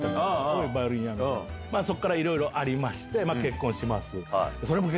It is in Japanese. そこからいろいろありましてまぁ結婚します。